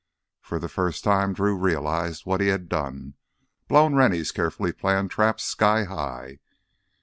For the first time Drew realized what he had done—blown Rennie's carefully planned trap sky high.